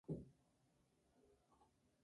Partes de la Buda femenina fueron robados.